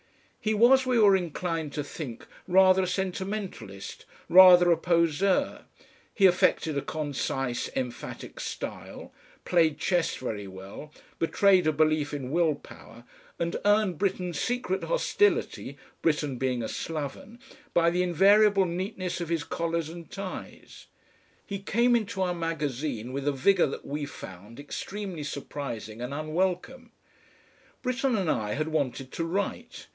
He was, we were inclined to think, rather a sentimentalist, rather a poseur, he affected a concise emphatic style, played chess very well, betrayed a belief in will power, and earned Britten's secret hostility, Britten being a sloven, by the invariable neatness of his collars and ties. He came into our magazine with a vigour that we found extremely surprising and unwelcome. Britten and I had wanted to write.